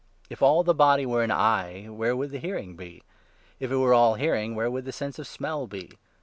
If all the body were an eye, where would the hearing 17 be ? If it were all hearing, where would the sense of smell be